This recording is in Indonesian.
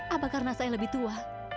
apa karena saya lebih tua